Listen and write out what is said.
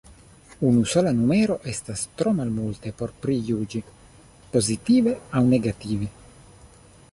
Unusola numero estas tro malmulte por prijuĝi, pozitive aŭ negative.